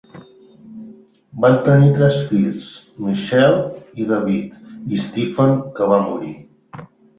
Van tenir tres fills: Michelle i David, i Stephen, que va morir.